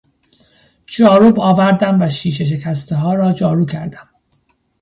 جاروب آوردم و شیشه شکستهها را جارو کردم.